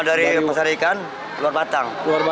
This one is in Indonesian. dari pasar ikan luar batang